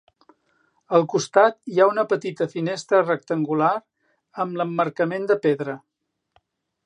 Al costat hi ha una petita finestra rectangular amb l'emmarcament de pedra.